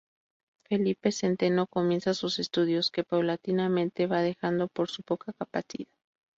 Felipe Centeno comienza sus estudios, que paulatinamente va dejando por su poca capacidad.